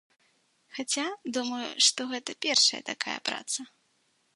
Хаця, думаю, што гэта першая такая праца.